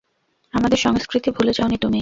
আমাদের সংস্কৃতি ভুলে যাওনি তুমি।